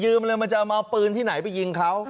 ยืมเลยมันจะเอาปืนที่ไหนไปยิงเค้า